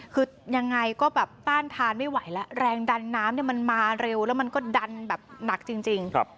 คือยังไงก็แบบต้านทานไม่ไหวแล้วแรงดันน้ำมันมาเร็วแล้วมันก็ดันแบบหนักจริง